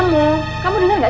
bisa berubah juga